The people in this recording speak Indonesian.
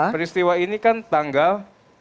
peristiwa ini kan tanggal